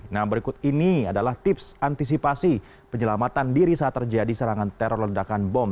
nah berikut ini adalah tips antisipasi penyelamatan diri saat terjadi serangan teror ledakan bom